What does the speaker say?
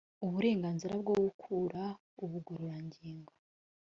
uburenganzira bwo gukora ubugororangingo